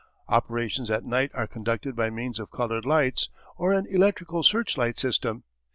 Operations at night are conducted by means of coloured lights or an electrical searchlight system.